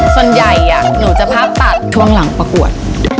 ส่วนใหญ่หนูจะภาพตัดช่วงหลังประกวด